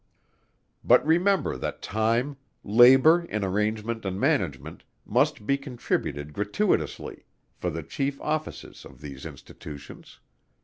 But remember that time, labour in arrangement and management, must be contributed gratuitously, for the Chief offices of these Institutions.